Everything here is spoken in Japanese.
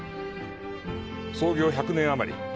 創業１００年余り。